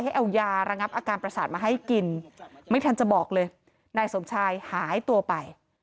ให้เอายาระงับอาการประสาทมาให้กินไม่ทันจะบอกเลยนายสมชายหายตัวไป